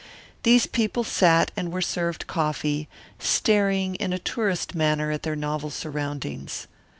These people sat and were served coffee, staring in a tourist manner at their novel surroundings.